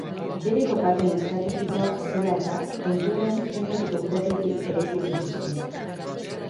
Bere kokapen estrategikoa zela eta, tontorrean zenbait gotorleku eraiki zituzten.